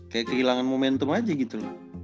kayak kehilangan momentum aja gitu